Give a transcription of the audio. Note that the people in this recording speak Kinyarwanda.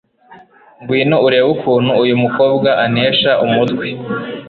ngwino urebe ukuntu uyu mukobwa antesha umutwe